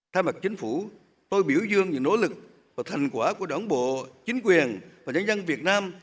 thay mặt chính phủ tôi biểu dương những nỗ lực và thành quả của đảng bộ chính quyền và nhân dân việt nam